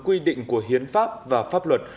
ý định của hiến pháp và pháp luật